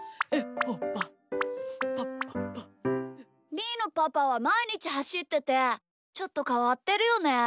みーのパパはまいにちはしっててちょっとかわってるよね。